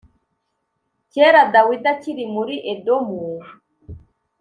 Kera Dawidi akiri muri Edomu